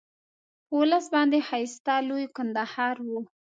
په ولس باندې ښایسته لوی کندهار وو.